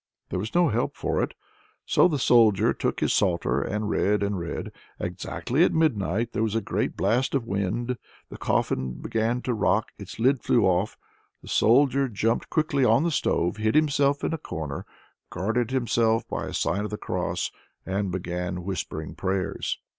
There was no help for it, so the Soldier took to his psalter and read and read. Exactly at midnight there was a great blast of wind, the coffin began to rock, its lid flew off. The Soldier jumped quickly on to the stove, hid himself in a corner, guarded himself by a sign of the cross, and began whispering prayers.